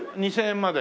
２０００円まで。